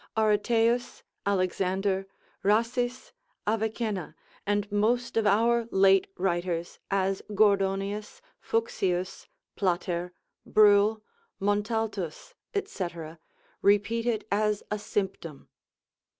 Areteus, Alexander, Rhasis, Avicenna, and most of our late writers, as Gordonius, Fuchsius, Plater, Bruel, Montaltus, &c. repeat it as a symptom.